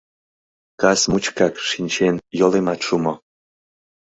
— Кас мучкак шинчен, йолемат шумо.